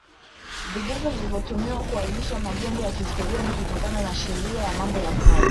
Vigezo vilivyotumiwa kuainisha majengo ya kihistoria ni kutokana na Sheria ya Mambo ya kale